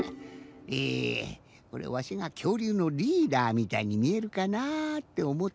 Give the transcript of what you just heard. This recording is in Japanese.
えこれわしがきょうりゅうのリーダーみたいにみえるかなっておもったんだけど。